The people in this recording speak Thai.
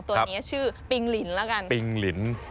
ตัวนี้ชื่อปิงลินละกัน